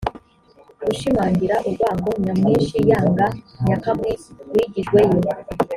gushimangira urwango nyamwinshi yanga nyakamwe wigijweyo